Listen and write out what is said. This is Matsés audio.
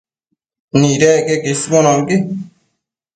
Nidec queque isbonocqui